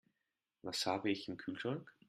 Was habe ich im Kühlschrank?